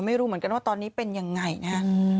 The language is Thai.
ไม่รู้เหมือนกันว่าตอนนี้เป็นยังไงนะฮะ